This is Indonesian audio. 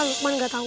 lukman gak tau